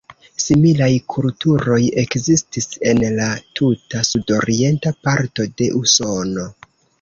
Similaj kulturoj ekzistis en la tuta sudorienta parto de Usono.